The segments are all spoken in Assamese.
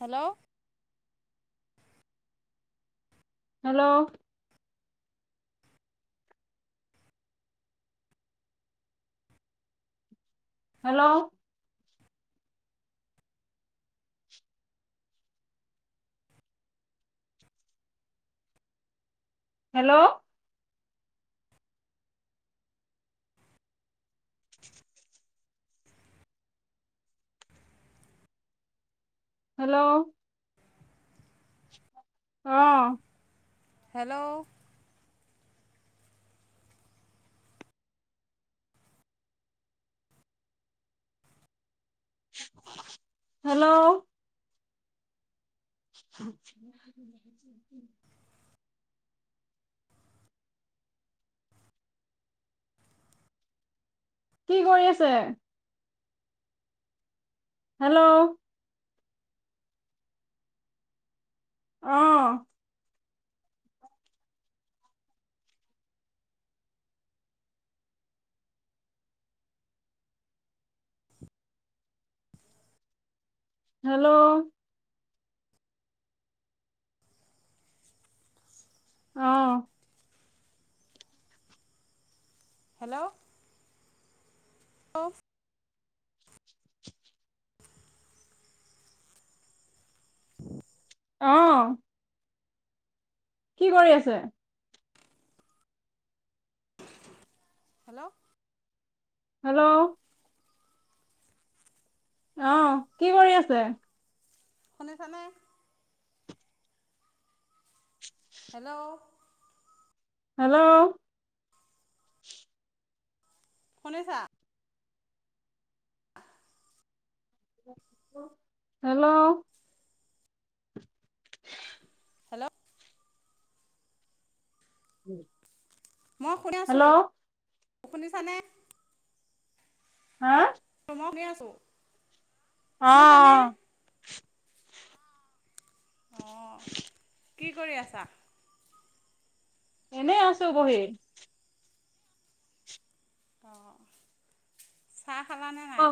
Hello hello hello hello hello অহ। হেল্ল' হেল্ল' [inaudible] কি কৰি আছে? হেল্ল' অহ। হেল্ল' অ'। হেল্ল' [unintelligible] [unintelligible] অ'। কি কৰি আছে? হেল্ল' হেল্ল' অ কি কৰি আছে? শুনিছেনে? হেল্ল' হেল্ল' শুনিছা? হেল্ল' হেল্ল' [inaudible] মই শুনি আছোঁ। হেল্ল' শুনিছানে? হা? মই শুনি আছোঁ। অ শুনিছানে অ। অ কি কৰি আছা? এনেই আছো বহি। অ অ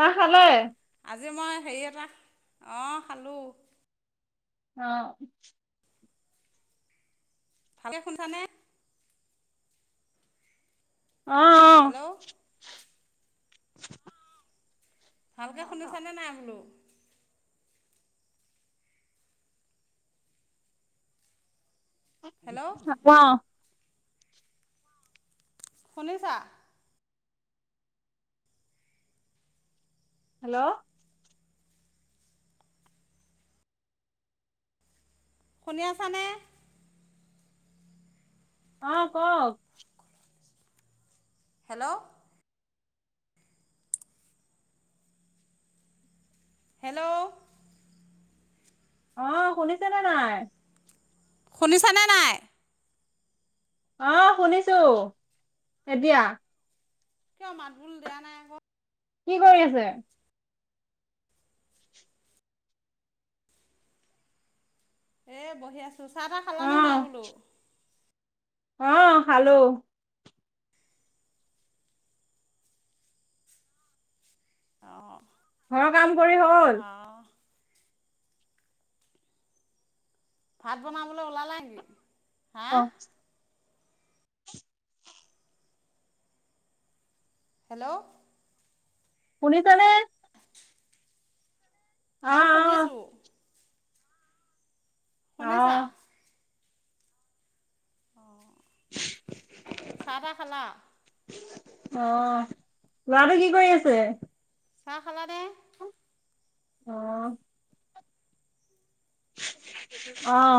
চাহ খালোঁৱে। আজি মই হেৰি এটা অঁ খালোঁ। অ। ভালকে শুনচানে? অ'। হেল্ল' [inaudible] ভালকে শুনিছানে নাই বোলো? হেল্ল' [unintelligible] শুনিছা হেল্ল' শুনি আছানে অ কওক হেল্ল' হেল্ল' অ শুনিছেনে নাই শুনিছানে নাই আহ শুনিছো এতিয়া কিয় মাত বোল দিয়া নাই আকৌ কি কৰি আছে এ বহি আছো। চাহ তাহ খালা নে নাই অ', বোলো। অ খালো [unintelligible] ঘৰৰ কাম কৰি হ'ল অঁ ভাত বনাবলৈ ওলালে নেকি? হা অ হেল্ল' শুনিছেনে? অ', মই শুনি আছো। অহ চাহ তাহ খালা? অ লৰাটো কি কৰি আছে? চাহ খালা নে? অহ। অহ।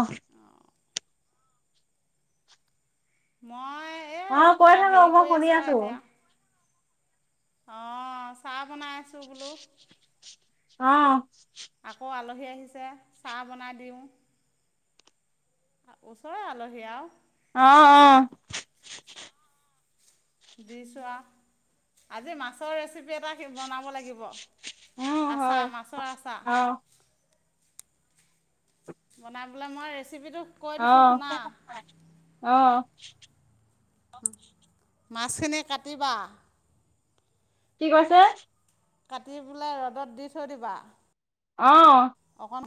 মই এই অ কৈ থাকো হেৰি মই কৰি শুনি আছো। আহ চাহ বনাই আছো বোলো। অ আকৌ আলোচনা সি আহিছে চাহ বনাই দিম। ওচৰৰে আলহী আৰু অ অ দি চোৱা আজি মাছৰ ৰেচিপি এটা বনাব লাগিব। উম, হয়। আচাৰ মাছৰ আছা অ', বনাবলে মই ৰে অ অ [unintelligible] মাছখিনি কাটিবা? কি কৈছে? কাটি পেলাই ৰ'দত দি থৈ দিবা। অ'। অকণ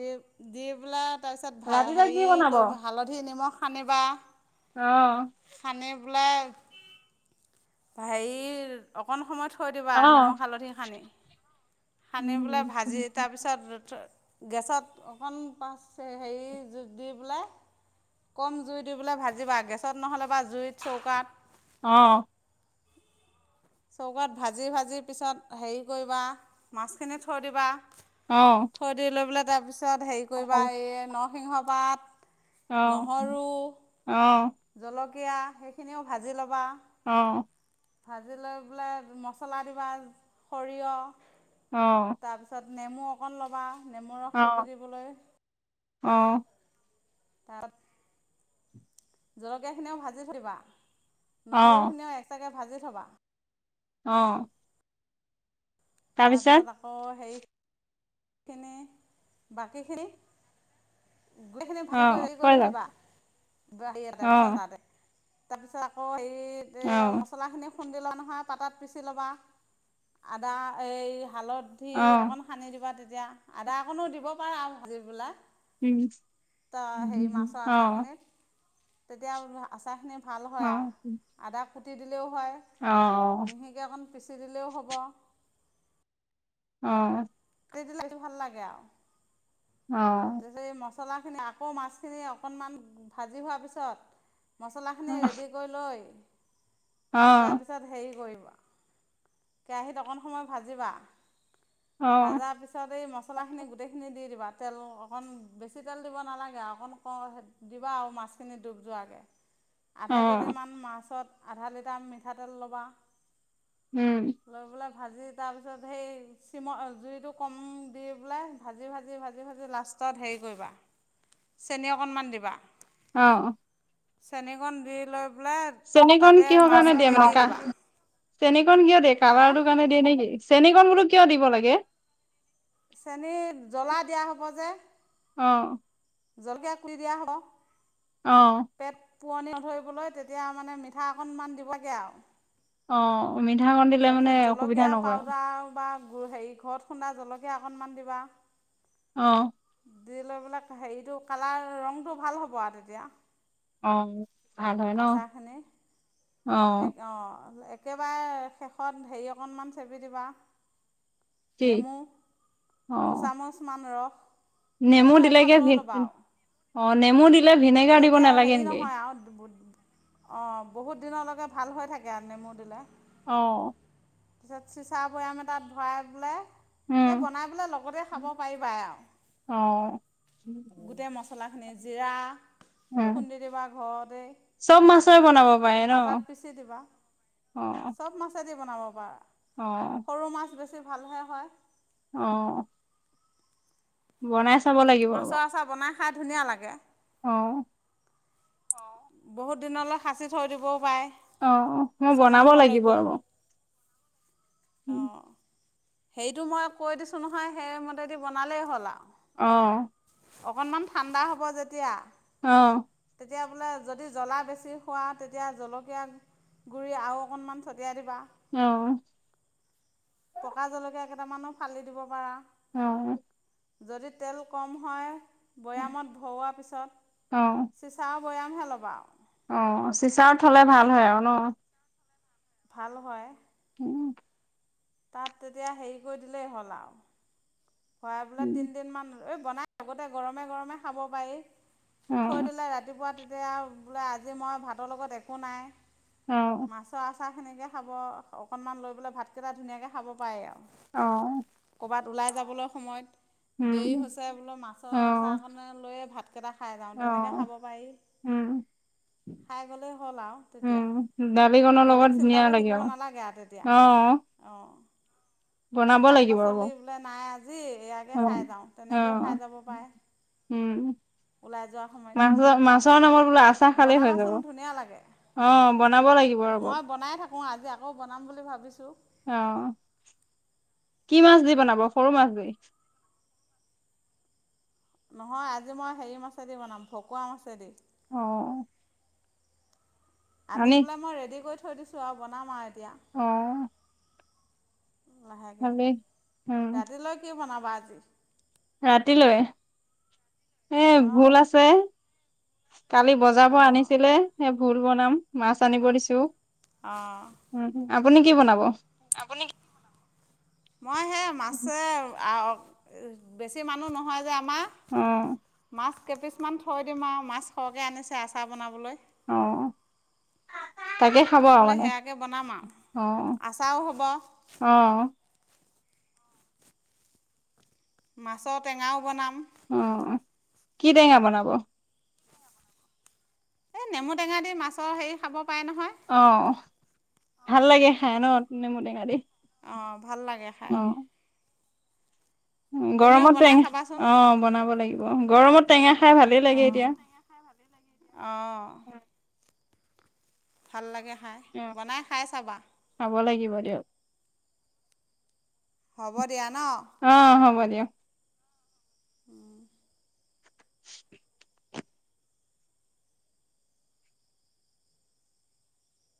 দি দি পেলায় তাৰপিছত ৰাতিলৈ কি হেৰি বনাব? কৰিব, হালধি নিমখ সানিবা। অঁ। সানি পেলায়, হেৰি, অকণ সময় থৈ দিবা অ', নিমখ হালধি সানি, সানি পেলাই উম, ভাজি, তাৰপিছত গেছত, অকণ পা, হেৰি জুইত দি পেলাই, কম জুই দি পেলাই ভাজিবা, গেছত নহ'লে বা জুইত চৌকাত অ' চৌকাত ভাজি ভাজি পিছত হেৰি কৰিবা, মাছখিনি থৈ দিবা। অ', থৈ দি লৈ পেলায় তাৰপিছত তাৰপিছত হেৰি কৰিবা, এই নৰসিংহ পাত অঁ, অঁ কীয়া, সেইখিনিও ভাজি ল'বা। অঁ আজি লৈ‌ পেলায় মছলা দিবা, সৰিয়হ অ তাৰপিছত নেমু অকণ ল'বা। নেমুৰ ৰস চেপি অ', দিবলৈ অ। তাৰপ জলকীয়াখিনিও ভাজি থৈ দিবা। অ', নহৰুখিনিও এক্সট্ৰাকে‌ ভাজি থবা। অ'। তাৰপিছত আকৌ, হেৰি কেনে? বাকীখিনি? গোটেইখিনি ভাজি কৰি, অ', হেৰি কৰি কৈ থই যাওক দিবা। [unintelligible] বাচন অ', এটাতে। তাৰপিছত আকৌ এই- এয়া অ', মছলাখিনি খুন্দি লোৱা নহয়, পাতাত পিচি ল'বা। আদা এই হালধী, অ', অকণ সানি দিবা। তে এতিয়া আদা অকণো দিব পাৰা আৰু ভাজিৰ পেলাই। উম, তো হেৰি মাছৰ অ', আচাৰখিনিত। তেতিয়া আচাৰখিনি ভাল অ', হয় আৰু। অ', আদা গোটেই দি এও হয়। অ', মিহিকে অকণ পিচি দিলেও হ'ব। অ'। টি দিলে ইটো ভাল লাগে আৰু। অ'। তাৰপিছত এই মছলাখিনি আকৌ মাছখিনি অকনমান ভাজি হোৱাৰ পিছত মছলাখিনি ৰেডি কৰি লৈ তাৰ অ', পিছত হেৰি কৰিম। কেৰাহীত অকণ সময় ভাজিবা। অ', ভাজাৰ পিছত এই মছলাখিনি গোটেইখিনি দি দিবা। তেল অকণ- বেছি তেল দিব নালাগে। অকণ ক- দিবা আৰু মাছখিনি ডুব যোৱাকৈ। আধা অ', কেজিমান মাছত আধা লিটাৰ মিঠাতেল ল'বা। উম। লৈ পেলাই ভাজি তাৰপিছত সেই চিমৰ- অ'- জুইটো কম দি পেলাই, ভাজি - ভাজি - ভাজি - ভাজি লাষ্ট তত হেৰি কৰিবা। চেনি অকণমান দিবা। অ'। চেনিকণ দি লৈ পেলাই চেনিকণ তাতে কিহৰ কাৰণে দিয়ে? মাছখিনি মানে দি দিবা কা- চেনিকণ কিয় দে? হে কালাৰটো কাৰণে দিয়ে নেকি? চেনিকণ বোলো কিয় দিব লাগে? চেনী, জ্বলা দিয়া হব যে। অ। জলকীয়া কৰি দিয়া হ'ব। আহ। পোৱণি নধৰিবলৈ, তেতিয়া মানে মিঠা অকণমান দিবলাগে আৰু। অ। মিঠাকণ দিলে মানে অসুবিধা নকৰে অ। বোৰ হেৰি ঘৰত খুন্দা জলকীয়া অকনমান দিবা। আহ। দি লৈ বোলে হেৰিটো, কালাৰ ৰংটো ভাল হ'ব আৰু তেতিয়া। অঁ, ভাল হয় ন। আচাৰখিনি অঁ। একেবাৰেই শেষত হেৰি অকণমান চেপি দিবা। কি নেমু, অ', দুচামুচ মান ৰস। নেমু এফাল দিলেগে, লৈ ল'বা আৰু অ নেমু দিলে ভিনেগাৰ দিব নালাগে নেকি? অ বহুত দিনলৈকে ভাল হৈ থাকে আৰু নেমু দিলে। অহ। পিছত চিচা বৈয়াম এটাত ভৰাই পেলাই উম এই বনাই পেলাই লগতে খাব পাৰিবাই আৰু। অ গোটেই মছলা মেজিৰা, উম খুন্দি দিবা ঘৰতে, চব মাছৰে বনাব পাৰে ন পাতাত পিচি দিবা। অ চব মাছ বনাব পাৰা। অ সৰু মাছ বেছি ছি ভালহে হয়। অঁ। বনাই চা মাছৰ আছা বনাই খাই ধুনীয়া লাগে। অ অ, বহুত দিনলৈ সাঁচি থৈ দিবওঁ পাৰে। অঁ, মই বনাব লাগিব ছমাহলৈকে ৰব। অঁ। সেৰিটো মই কৈ দিছোঁ নহয়, সেইমতেদি বনালেই হ'ল আৰু। অঁ। অকনমান ঠাণ্ডা হ'ব যেতিয়া, অঁ। তেতিয়া বোলে, যদি জ্বলা বেছি খোৱা তেতিয়া জলকীয়া গুড়ি আৰু অকণমান ছটিয়াই দিবা। অঁ। পকা জলকীয়া কেইটামানো ফালি দিব পাৰা। অঁ অঁ। যদি তেল কম হয়, বৈয়ামত ভৰোৱা পিছত। অ চিচাৰত বৈয়ামহে ল'বা আৰু। অ' চিচাৰত থ'লে ভাল হয় আৰু ন? ভাল হয়। উম। তাত তেতিয়া হেৰি কৰি দিলেই হ'ল আৰু। ভৰাই পেলাই তিনিদিনমান। ঐ বনাই আগতে গৰমে-গৰমে খাব পাৰি। অ থৈ দিলে ৰাতিপুৱা। এতিয়া বোলে আজি মই ভাতৰ লগত একো নাই। অ'। চাহ সেনেকৈ খাব, অকণমান লৈ পেলাই ভাতকেইটা ধুনীয়াকৈ খাব পাৰি আৰু। অ'। ক'ৰবাত ওলাই যাবলৈ। সময়ত উম দেৰি হৈছে বোলো, মাছৰ অ আচাৰকণে লৈয়ে ভাত। কেইটা খাই যাওঁ, অ তেনেকৈ খাব পাৰি। উম খাই গ'লেই হ'ল আৰু তেতিয়া। উম দালিকনৰ বেলেগ লগত চিন্তা ধুনীয়া কৰি লাগে থাকিব নালাগে আৰু তেতিয়া। অ অ'। বনাব লাগিব ৰব শাক-পাচলি বোলে নাই আজি এয়াকে খাই যাওঁ অ' তেনেকৈও খাই অ', যাব পাৰে উম। ওলাই যোৱাৰ সময়ত মাংস-মাছৰ নামত বোলো আচাৰ খালেই হৈ যাব। বনাবাচোন ধুনীয়া লাগে অ' বনাব লাগিব ৰ'ব। উম, আজি আকৌ বনাম বুলি ভাবিছো। অ' কি মাছ দি বনাব? সৰু মাছ দি। নহয় আজি, মই হেৰি মাছেদি বনাম, ভকুৱা মাছেদি। অ'। আনি পেলাই মই ৰেডি কৰি থৈ দিছো, আৰু বনাম আৰু। এতিয়া। অ লাহেকৈ, ভালেই উম ৰাতিলৈ কি বনাব? [unintelligible] ৰাতিলৈ? এ অঁ ভোল আছে। কালি বজাৰৰ পৰা আনিছিলে, সেই ভোল বনাম। মাছ আনিব অ' দিছো অ'। উম আপুনি কি বনাব অ মই সেই মাছে বেছি মানুহ নহয় যে আমাৰ। অ'। মাছ কেইপিছমান থৈ দিম আৰু মাছ সৰহকৈ আনিছে, আচাৰ বনাবলৈ। আহ, থৈ পলৈ সেয়াকে বনাম আৰু অ আচাৰও হ'ব। অ মাছৰ টেঙাও বনাম, অ' কি টেঙা বনাব? এই নেমু টেঙা দি মাছৰ হেৰি খাব পাৰে নহয়। অ' ভাল লাগে খাই ন নেমু টেঙা দি। অ' ভাল লাগে খাই। তুমিও গৰমতে বনাই খাবাচোন টঙা অ' বনাব লাগিব। গৰমত টেঙা। খাই ভালেই লাগে আহ এতিয়া খাই ভালেই লাগে আহ। ভাল লাগে। খাই বনাই খাই চাবা। হ'ব দিয়ক। হ'ব দিয়া ন অ'হ'ব। [unintelligible] [unintelligible] [unintelligible]